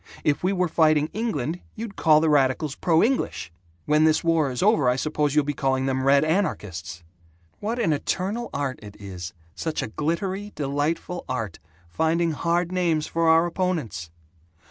If we were fighting England, you'd call the radicals 'pro English.' When this war is over, I suppose you'll be calling them 'red anarchists.' What an eternal art it is such a glittery delightful art finding hard names for our opponents!